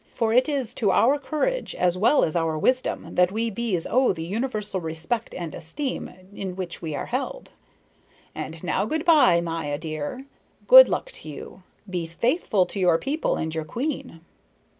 For it is to our courage as well as our wisdom that we bees owe the universal respect and esteem in which we are held. And now good by, Maya dear. Good luck to you. Be faithful to your people and your queen."